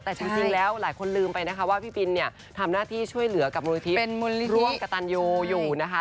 แต่จริงแล้วหลายคนลืมไปนะคะว่าพี่บินเนี่ยทำหน้าที่ช่วยเหลือกับมูลนิธิร่วมกับตันยูอยู่นะคะ